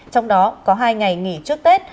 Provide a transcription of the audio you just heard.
trong đó có hai ngày nghỉ trước tết